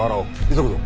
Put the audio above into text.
急ぐぞ。